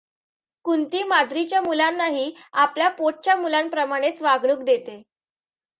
कुंति माद्रीच्या मुलांनाही आपल्या पोटच्या मुलांप्रमाणेच वागणूक देते.